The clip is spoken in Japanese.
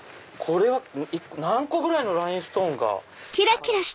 これは何個ぐらいのラインストーンが？